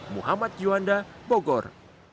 muhammad yuhanda bogor